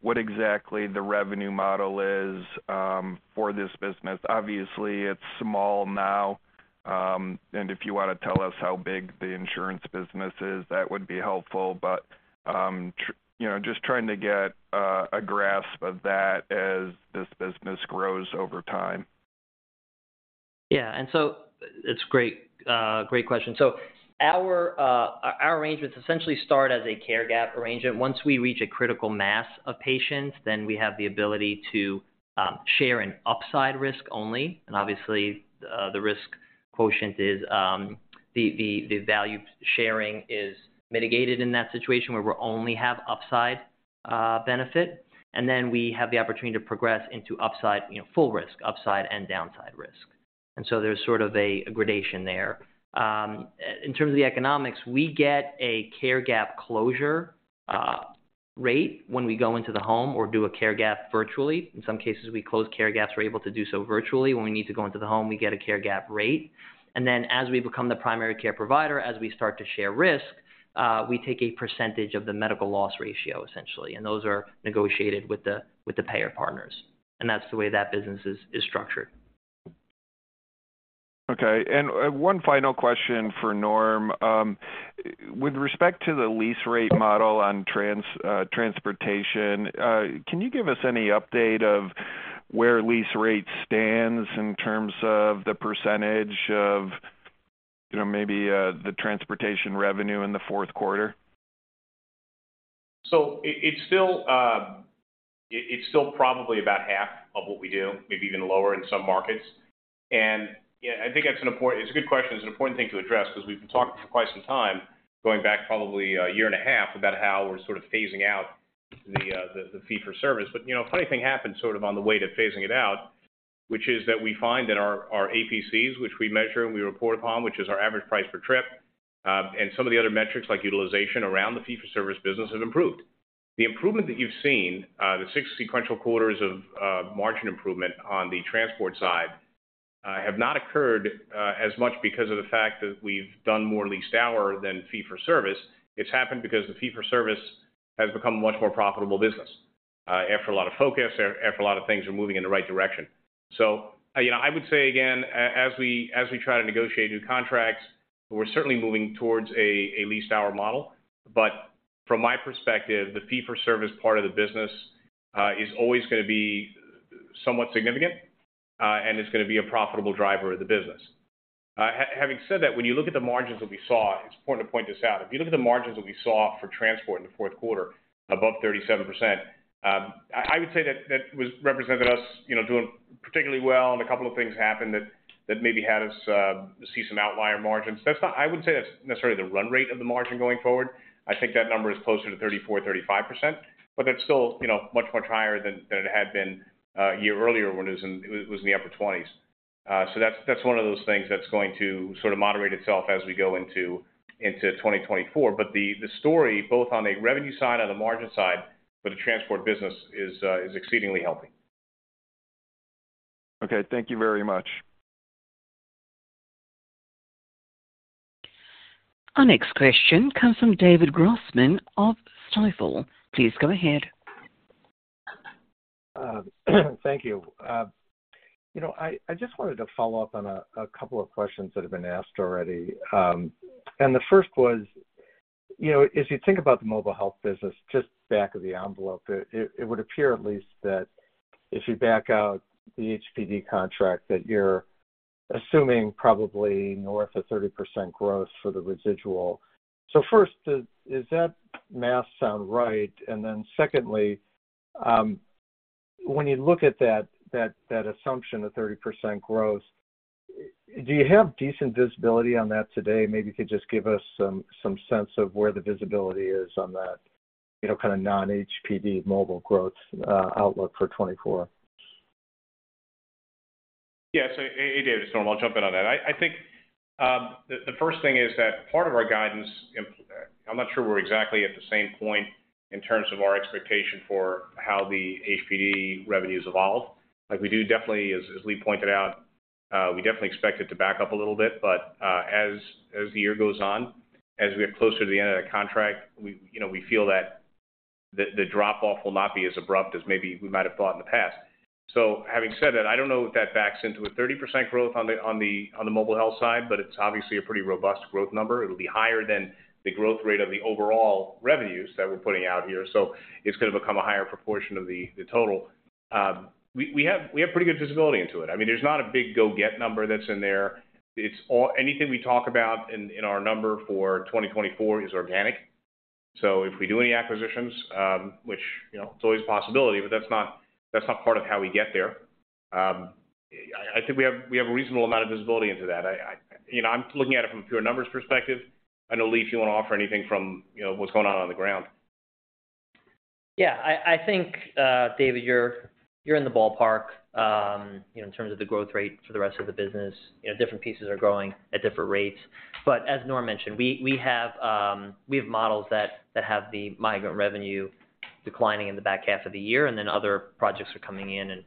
what exactly the revenue model is for this business. Obviously, it's small now. If you want to tell us how big the insurance business is, that would be helpful. Just trying to get a grasp of that as this business grows over time. Yeah. It's a great question. Our arrangements essentially start as a care gap arrangement. Once we reach a critical mass of patients, then we have the ability to share an upside risk only. Obviously, the risk quotient is the value sharing is mitigated in that situation where we only have upside benefit. Then we have the opportunity to progress into upside full risk, upside and downside risk. There's sort of a gradation there. In terms of the economics, we get a care gap closure rate when we go into the home or do a care gap virtually. In some cases, we close care gaps. We're able to do so virtually. When we need to go into the home, we get a care gap rate. Then as we become the primary care provider, as we start to share risk, we take a percentage of the Medical Loss Ratio, essentially. Those are negotiated with the payer partners. That's the way that business is structured. Okay. One final question for Norm. With respect to the lease rate model on transportation, can you give us any update of where lease rate stands in terms of the percentage of maybe the transportation revenue in the fourth quarter? So it's still probably about half of what we do, maybe even lower in some markets. And I think that's an important—it's a good question. It's an important thing to address because we've been talking for quite some time, going back probably a year and a half, about how we're sort of phasing out the fee-for-service. But a funny thing happened sort of on the way to phasing it out, which is that we find that our APTs, which we measure and we report upon, which is our average price per trip and some of the other metrics like utilization around the fee-for-service business, have improved. The improvement that you've seen, the six sequential quarters of margin improvement on the transport side, have not occurred as much because of the fact that we've done more leased-hour than fee-for-service. It's happened because the fee-for-service has become a much more profitable business after a lot of focus, after a lot of things are moving in the right direction. So I would say, again, as we try to negotiate new contracts, we're certainly moving towards a leased hour model. But from my perspective, the fee-for-service part of the business is always going to be somewhat significant and is going to be a profitable driver of the business. Having said that, when you look at the margins that we saw, it's important to point this out. If you look at the margins that we saw for transport in the fourth quarter, above 37%, I would say that represented us doing particularly well. A couple of things happened that maybe had us see some outlier margins. I wouldn't say that's necessarily the run rate of the margin going forward. I think that number is closer to 34%-35%. But that's still much, much higher than it had been a year earlier when it was in the upper 20s. So that's one of those things that's going to sort of moderate itself as we go into 2024. But the story, both on the revenue side, on the margin side for the transport business, is exceedingly healthy. Okay. Thank you very much. Our next question comes from David Grossman of Stifel. Please go ahead. Thank you. I just wanted to follow up on a couple of questions that have been asked already. And the first was, as you think about the mobile health business, just back of the envelope, it would appear at least that if you back out the HPD contract, that you're assuming probably north of 30% growth for the residual. So first, does that math sound right? And then secondly, when you look at that assumption of 30% growth, do you have decent visibility on that today? Maybe you could just give us some sense of where the visibility is on that kind of non-HPD mobile growth outlook for 2024. Yeah. So hey, David. It's Norm. I'll jump in on that. I think the first thing is that part of our guidance. I'm not sure we're exactly at the same point in terms of our expectation for how the HPD revenues evolve. We do definitely, as Lee pointed out, we definitely expect it to back up a little bit. But as the year goes on, as we get closer to the end of the contract, we feel that the drop-off will not be as abrupt as maybe we might have thought in the past. So having said that, I don't know if that backs into a 30% growth on the Mobile Health side. But it's obviously a pretty robust growth number. It'll be higher than the growth rate of the overall revenues that we're putting out here. So it's going to become a higher proportion of the total. We have pretty good visibility into it. I mean, there's not a big go-get number that's in there. Anything we talk about in our number for 2024 is organic. So if we do any acquisitions, which it's always a possibility, but that's not part of how we get there. I think we have a reasonable amount of visibility into that. I'm looking at it from a pure numbers perspective. I know, Lee, if you want to offer anything from what's going on on the ground. Yeah. I think, David, you're in the ballpark in terms of the growth rate for the rest of the business. Different pieces are growing at different rates. But as Norm mentioned, we have models that have the migrant revenue declining in the back half of the year, and then other projects are coming in and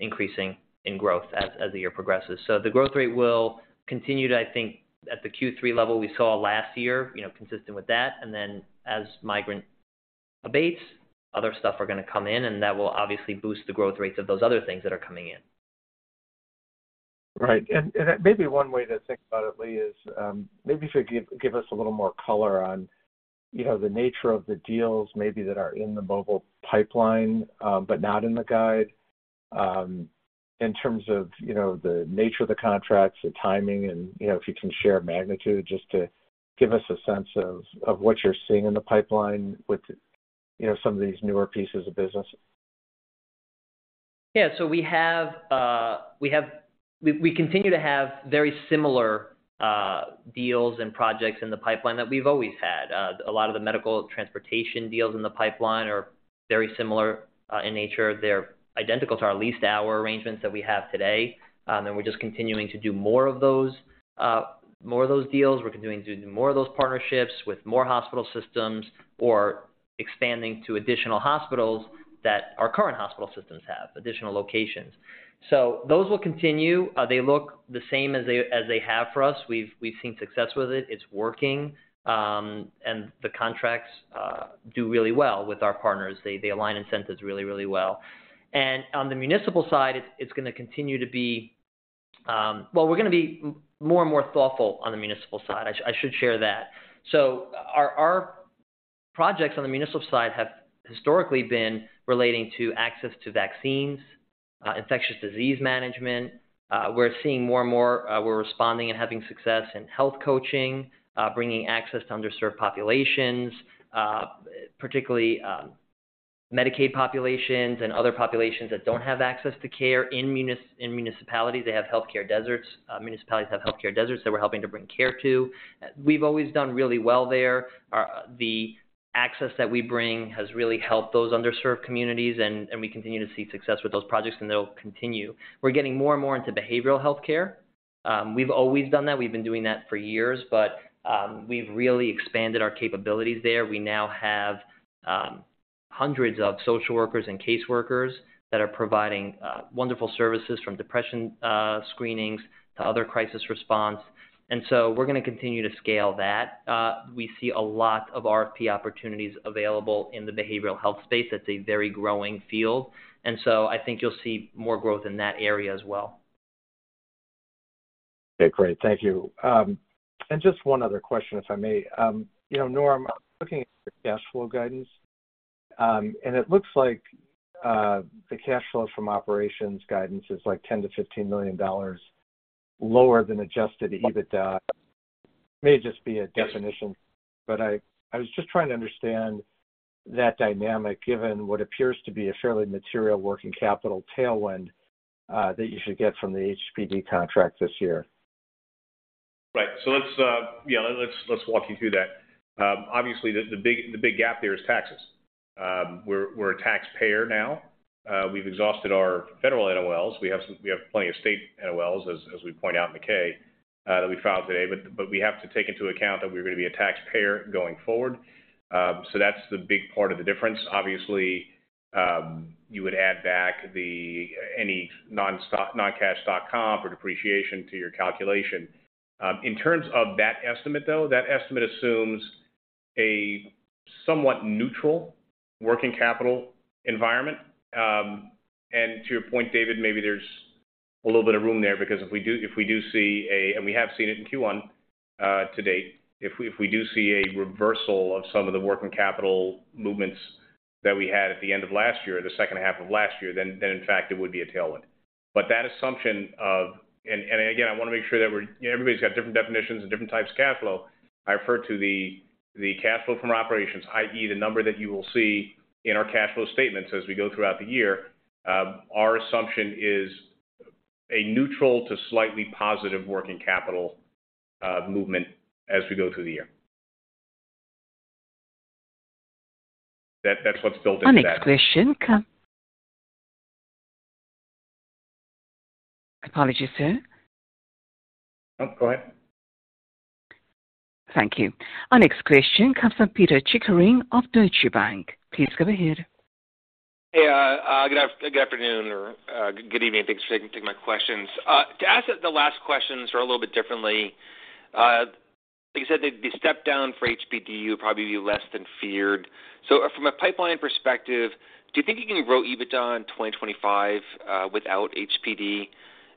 increasing in growth as the year progresses. So the growth rate will continue to, I think, at the Q3 level we saw last year, consistent with that. And then as migrant abates, other stuff are going to come in, and that will obviously boost the growth rates of those other things that are coming in. Right. Maybe one way to think about it, Lee, is maybe if you could give us a little more color on the nature of the deals maybe that are in the mobile pipeline but not in the guide in terms of the nature of the contracts, the timing, and if you can share magnitude just to give us a sense of what you're seeing in the pipeline with some of these newer pieces of business. Yeah. So we continue to have very similar deals and projects in the pipeline that we've always had. A lot of the medical transportation deals in the pipeline are very similar in nature. They're identical to our leased hour arrangements that we have today. And we're just continuing to do more of those deals. We're continuing to do more of those partnerships with more hospital systems or expanding to additional hospitals that our current hospital systems have, additional locations. So those will continue. They look the same as they have for us. We've seen success with it. It's working. And the contracts do really well with our partners. They align incentives really, really well. And on the municipal side, it's going to continue to be well, we're going to be more and more thoughtful on the municipal side. I should share that. So our projects on the municipal side have historically been relating to access to vaccines, infectious disease management. We're seeing more and more, we're responding and having success in health coaching, bringing access to underserved populations, particularly Medicaid populations and other populations that don't have access to care in municipalities. They have healthcare deserts. Municipalities have healthcare deserts that we're helping to bring care to. We've always done really well there. The access that we bring has really helped those underserved communities. And we continue to see success with those projects, and they'll continue. We're getting more and more into behavioral healthcare. We've always done that. We've been doing that for years. But we've really expanded our capabilities there. We now have hundreds of social workers and caseworkers that are providing wonderful services from depression screenings to other crisis response. And so we're going to continue to scale that. We see a lot of RFP opportunities available in the behavioral health space. That's a very growing field. And so I think you'll see more growth in that area as well. Okay. Great. Thank you. Just one other question, if I may. Norm, I'm looking at your cash flow guidance. It looks like the cash flow from operations guidance is like $10 million-$15 million lower than Adjusted EBITDA. It may just be a definition. But I was just trying to understand that dynamic given what appears to be a fairly material working capital tailwind that you should get from the HPD contract this year. Right. So yeah, let's walk you through that. Obviously, the big gap there is taxes. We're a taxpayer now. We've exhausted our federal NOLs. We have plenty of state NOLs, as we point out in the 10-K that we filed today. But we have to take into account that we're going to be a taxpayer going forward. So that's the big part of the difference. Obviously, you would add back any non-cash stock comp or depreciation to your calculation. In terms of that estimate, though, that estimate assumes a somewhat neutral working capital environment. And to your point, David, maybe there's a little bit of room there because if we do see a and we have seen it in Q1 to date. If we do see a reversal of some of the working capital movements that we had at the end of last year, the second half of last year, then, in fact, it would be a tailwind. But that assumption of and again, I want to make sure that everybody's got different definitions and different types of cash flow. I refer to the cash flow from operations, i.e., the number that you will see in our cash flow statements as we go throughout the year. Our assumption is a neutral to slightly positive working capital movement as we go through the year. That's what's built into that. Our next question comes, apologies, sir. Oh, go ahead. Thank you. Our next question comes from Pito Chickering of Deutsche Bank. Please go ahead. Hey. Good afternoon or good evening. Thanks for taking my questions. To ask the last questions sort of a little bit differently, like you said, the step down for HPD would probably be less than feared. So from a pipeline perspective, do you think you can grow EBITDA in 2025 without HPD?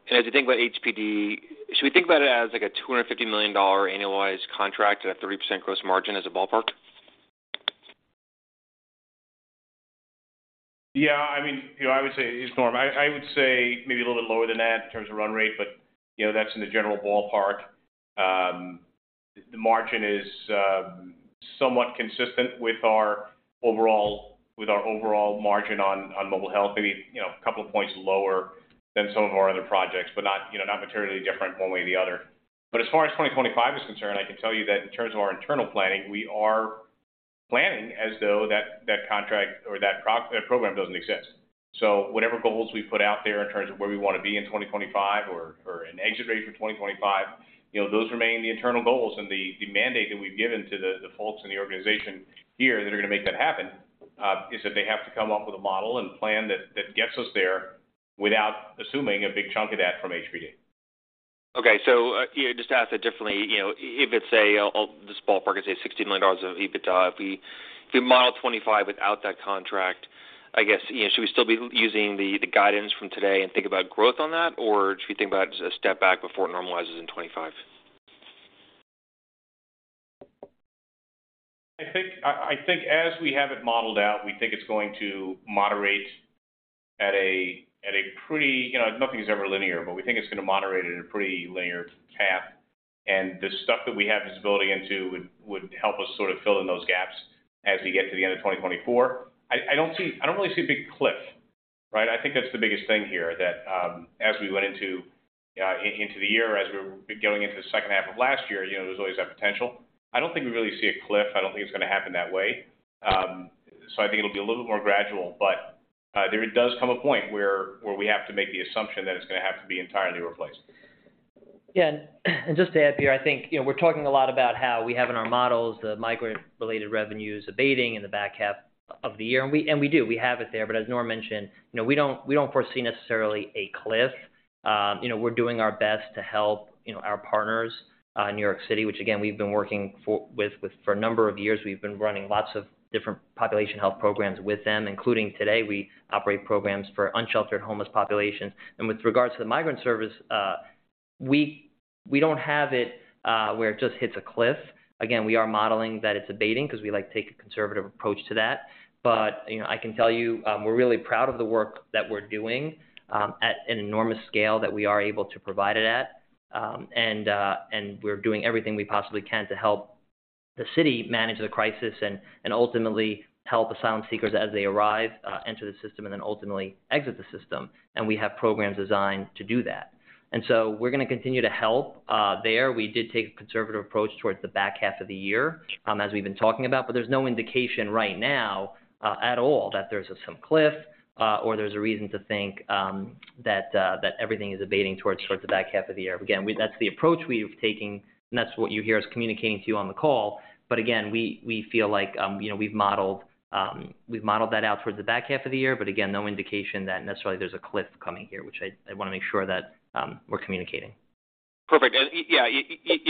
And as you think about HPD, should we think about it as a $250 million annualized contract at a 30% gross margin as a ballpark? Yeah. I mean, I would say it's Norm. I would say maybe a little bit lower than that in terms of run rate. But that's in the general ballpark. The margin is somewhat consistent with our overall margin on Mobile Health, maybe a couple of points lower than some of our other projects, but not materially different one way or the other. But as far as 2025 is concerned, I can tell you that in terms of our internal planning, we are planning as though that contract or that program doesn't exist. So whatever goals we put out there in terms of where we want to be in 2025 or an exit rate for 2025, those remain the internal goals. The mandate that we've given to the folks in the organization here that are going to make that happen is that they have to come up with a model and plan that gets us there without assuming a big chunk of that from HPD. Okay. So just to ask it differently, if it's a this ballpark is a $60 million of EBITDA. If we model 2025 without that contract, I guess, should we still be using the guidance from today and think about growth on that? Or should we think about a step back before it normalizes in 2025? I think as we have it modeled out, we think it's going to moderate at a pretty, nothing's ever linear. But we think it's going to moderate at a pretty linear path. And the stuff that we have visibility into would help us sort of fill in those gaps as we get to the end of 2024. I don't really see a big cliff, right? I think that's the biggest thing here, that as we went into the year, as we were going into the second half of last year, there's always that potential. I don't think we really see a cliff. I don't think it's going to happen that way. So I think it'll be a little bit more gradual. But there does come a point where we have to make the assumption that it's going to have to be entirely replaced. Yeah. And just to add, Pito, I think we're talking a lot about how we have in our models the migrant-related revenues abating in the back half of the year. And we do. We have it there. But as Norm mentioned, we don't foresee necessarily a cliff. We're doing our best to help our partners in New York City, which, again, we've been working with for a number of years. We've been running lots of different population health programs with them, including today. We operate programs for unsheltered homeless populations. And with regards to the migrant service, we don't have it where it just hits a cliff. Again, we are modeling that it's abating because we like to take a conservative approach to that. But I can tell you, we're really proud of the work that we're doing at an enormous scale that we are able to provide it at. We're doing everything we possibly can to help the city manage the crisis and ultimately help asylum seekers as they arrive, enter the system, and then ultimately exit the system. We have programs designed to do that. We're going to continue to help there. We did take a conservative approach towards the back half of the year as we've been talking about. There's no indication right now at all that there's some cliff or there's a reason to think that everything is abating towards the back half of the year. Again, that's the approach we've taken. That's what you hear us communicating to you on the call. We feel like we've modeled that out towards the back half of the year. No indication that necessarily there's a cliff coming here, which I want to make sure that we're communicating. Perfect. Yeah,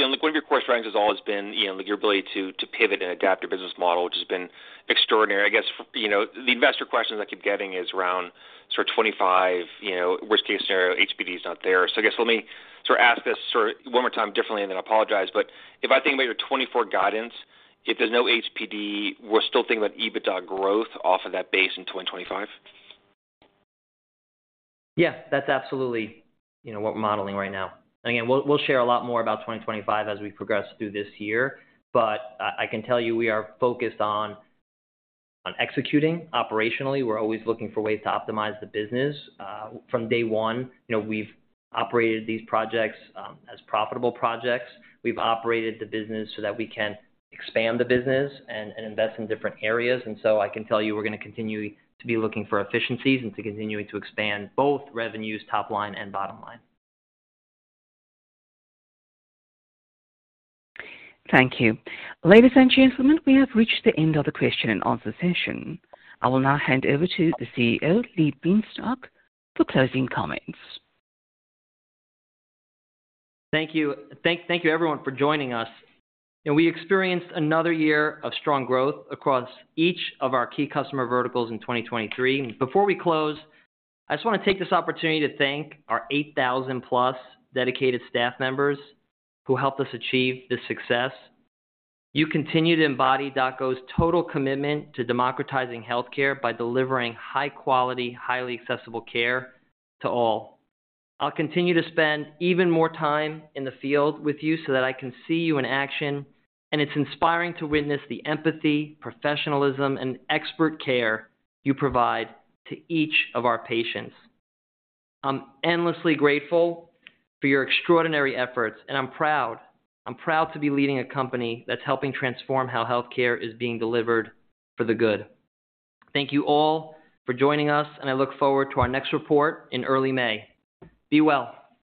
one of your core strengths has always been your ability to pivot and adapt your business model, which has been extraordinary. I guess the investor questions I keep getting is around sort of 2025, worst-case scenario, HPD is not there. So I guess let me sort of ask this sort of one more time differently, and then apologize. But if I think about your 2024 guidance, if there's no HPD, we're still thinking about EBITDA growth off of that base in 2025? Yeah. That's absolutely what we're modeling right now. And again, we'll share a lot more about 2025 as we progress through this year. But I can tell you, we are focused on executing operationally. We're always looking for ways to optimize the business. From day one, we've operated these projects as profitable projects. We've operated the business so that we can expand the business and invest in different areas. And so I can tell you, we're going to continue to be looking for efficiencies and to continue to expand both revenues top line and bottom line. Thank you. Ladies and gentlemen, we have reached the end of the question and answer session. I will now hand over to the CEO, Lee Bienstock, for closing comments. Thank you. Thank you, everyone, for joining us. We experienced another year of strong growth across each of our key customer verticals in 2023. Before we close, I just want to take this opportunity to thank our 8,000+ dedicated staff members who helped us achieve this success. You continue to embody DocGo's total commitment to democratizing healthcare by delivering high-quality, highly accessible care to all. I'll continue to spend even more time in the field with you so that I can see you in action. It's inspiring to witness the empathy, professionalism, and expert care you provide to each of our patients. I'm endlessly grateful for your extraordinary efforts. I'm proud. I'm proud to be leading a company that's helping transform how healthcare is being delivered for the good. Thank you all for joining us. I look forward to our next report in early May. Be well.